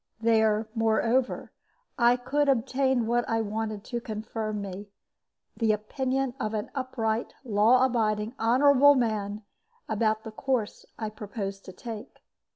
There, moreover, I could obtain what I wanted to confirm me the opinion of an upright, law abiding, honorable man about the course I proposed to take.